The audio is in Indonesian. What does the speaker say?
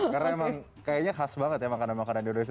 karena emang kayaknya khas banget ya makanan makanan di indonesia